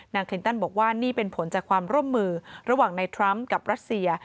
คลินตันบอกว่านี่เป็นผลจากความร่วมมือระหว่างในทรัมป์กับรัสเซีย